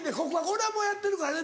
俺はもうやってるからね